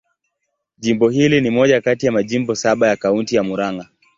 Jimbo hili ni moja kati ya majimbo saba ya Kaunti ya Murang'a.